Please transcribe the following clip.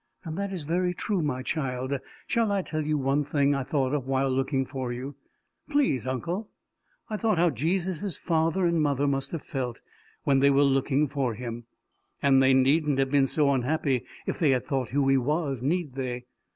"That is very true, my child! Shall I tell you one thing I thought of while looking for you?" "Please, uncle." "I thought how Jesus' father and mother must have felt when they were looking for him." "And they needn't have been so unhappy if they had thought who he was need they?"